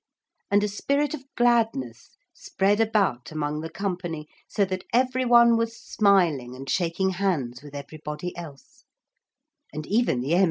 And a spirit of gladness spread about among the company so that every one was smiling and shaking hands with everybody else, and even the M.